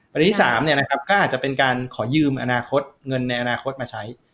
วันที่๓ก็อาจจะเป็นการขอยืมเงินในอนาคตมาใช้